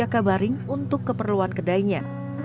dan juga menjaga baring untuk keperluan kedainya